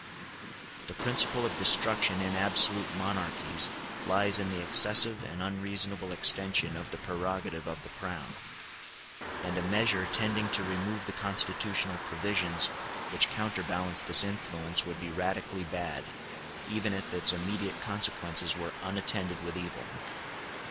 The principle of destruction in absolute monarchies lies in the excessive and unreasonable extension of the prerogative of the crown; and a measure tending to remove the constitutional provisions which counterbalance this influence would be radically bad, even if its immediate consequences were unattended with evil.